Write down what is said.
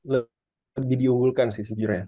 lebih diunggulkan sih sejujurnya